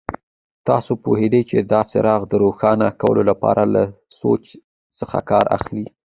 تاسو پوهېږئ چې د څراغ د روښانه کولو لپاره له سویچ څخه کار اخلي.